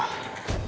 lo tuh gimana sih